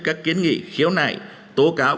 các kiến nghị khiếu nại tố cáo